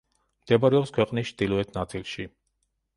მდებარეობს ქვეყნის ჩდილოეთ ნაწილში.